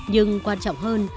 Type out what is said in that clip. nhưng quan trọng hơn